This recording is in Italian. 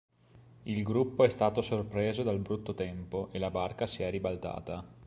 Il gruppo è stato sorpreso dal brutto tempo e la barca si è ribaltata.